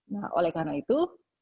nah oleh karena itu